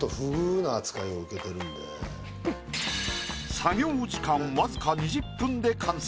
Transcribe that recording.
作業時間僅か２０分で完成。